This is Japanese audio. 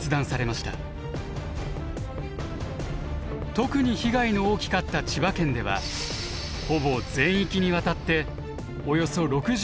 特に被害の大きかった千葉県ではほぼ全域にわたっておよそ６４万戸が停電。